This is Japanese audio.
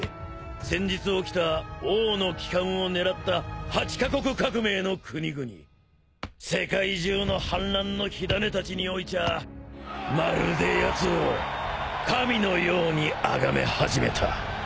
先日起きた王の帰還を狙った８か国革命の国々世界中の反乱の火種たちにおいちゃあまるでやつを神のようにあがめ始めた。